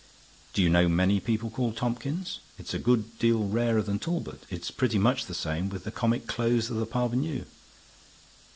Do you know many people called Tompkins? It's a good deal rarer than Talbot. It's pretty much the same with the comic clothes of the parvenu.